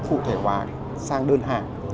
cụ thể hóa sang đơn hàng